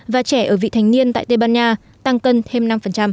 và trẻ ở vị thành niên tại tây ban nha tăng cân thêm năm